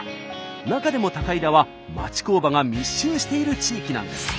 中でも高井田は町工場が密集している地域なんです。